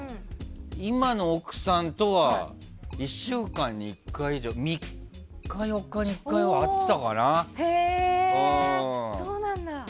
今の奥さんとは１週間に１回以上３日４日に１回は会ってたかな。